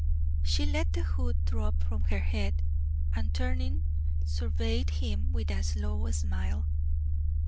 She let the hood drop from her head, and, turning, surveyed him with a slow smile.